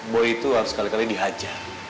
boy itu harus sekali kali dihajar